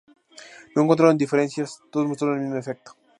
No encontraron diferencias: todos mostraron el mismo efecto.